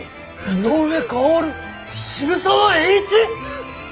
「井上馨渋沢栄一」！？